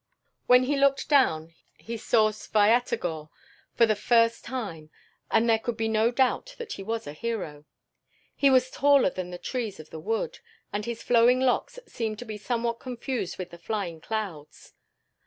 When he looked down, he saw Svyatogor for the first time, and there could be no doubt that he was a hero. He was taller than the trees of the wood, and his flowing locks seemed to be somewhat confused with the flying clouds.